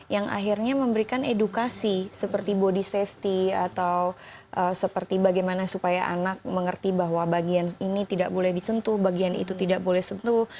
yang akhirnya memberikan edukasi seperti body safety atau seperti bagaimana supaya anak mengerti bahwa bagian ini tidak boleh disentuh bagian itu tidak boleh sentuh